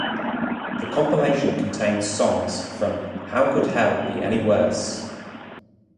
The compilation contains songs from How Could Hell Be Any Worse?